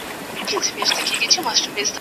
يوه سپي مېچنه څټله، بل ئې کونه څټله.